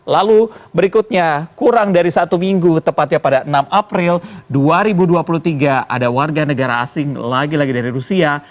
lalu berikutnya kurang dari satu minggu tepatnya pada enam april dua ribu dua puluh tiga ada warga negara asing lagi lagi dari rusia